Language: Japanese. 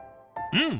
うん！